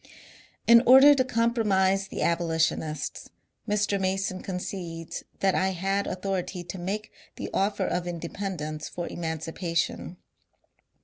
In order to compromise the abolitionists, Mr. Mason con cedes that I had authority to make the offer of independence for emancipation.